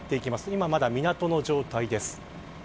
今は、まだ港の状態です。